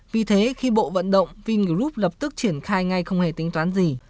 vì thế khi bộ vận động vingroup lập tức triển khai ngay không hề tính toán gì